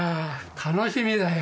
楽しみだよ。